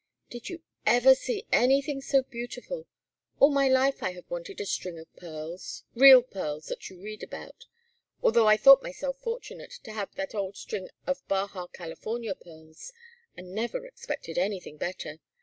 "Did you ever see anything so beautiful? All my life I have wanted a string of pearls real pearls that you read about, although I thought myself fortunate to have that old string of Baha California pearls, and never expected anything better.